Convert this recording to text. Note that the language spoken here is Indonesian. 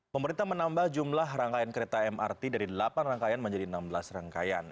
pemerintah menambah jumlah rangkaian kereta mrt dari delapan rangkaian menjadi enam belas rangkaian